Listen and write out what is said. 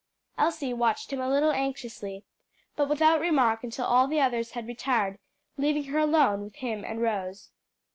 Elsie watched him a little anxiously, but without remark until all the others had retired, leaving her alone with him and Rose.